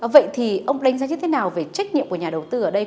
vậy thì ông đánh giá như thế nào về trách nhiệm của nhà đầu tư ở đây